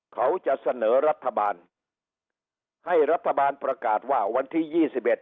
เขาจะเสนอรัฐบาลให้รัฐบาลประกาศว่าวันที่ยี่สิบเอ็ด